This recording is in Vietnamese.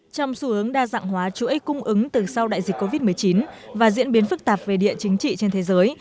trong xu hướng đa dạng hóa chuỗi cung ứng từ sau đại dịch covid một mươi chín và diễn biến phức tạp về địa chính trị trên thế giới